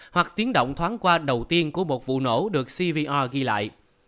hoặc tiếng động thoáng qua đầu tiên của một vụ nổ được cvr ghi lại